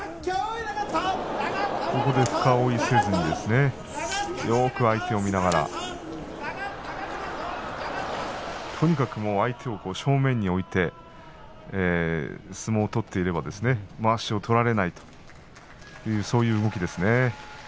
深追いせずよく相手を見ながらとにかく相手を正面に置いて相撲を取っていればまわしを取られないというそういう動きいいですね。